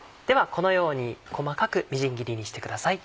このように細かくみじん切りにしてください。